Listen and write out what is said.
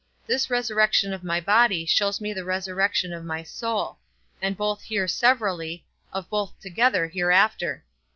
This resurrection of my body shows me the resurrection of my soul; and both here severally, of both together hereafter.